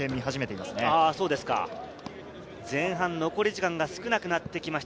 前半残り時間が少なくなってきました。